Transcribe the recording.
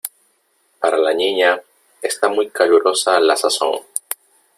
para la Niña está muy calurosa la sazón .